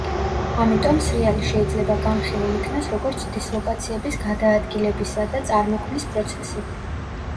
ამიტომ სრიალი შეიძლება განხილულ იქნას როგორც დისლოკაციების გადაადგილებისა და წარმოქმნის პროცესი.